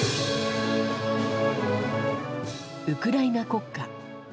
ウクライナ国歌。